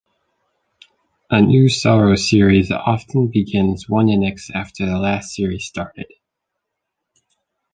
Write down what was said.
A new saros series often begins one inex after the last series started.